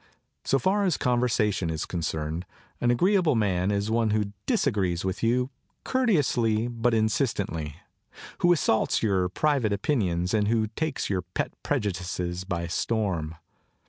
So far as conversation is concerned an agreeable man is one who dis agrees with you, courteously but insistently, who assaults your private opinions and who takes your pet prejudices by storm.